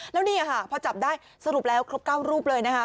แล้วนี่ค่ะพอจับได้สรุปแล้วครบ๙รูปเลยนะคะ